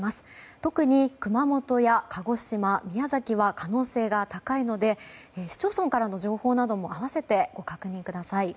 特に熊本や鹿児島、宮崎は可能性が高いので市町村からの情報なども併せてご確認ください。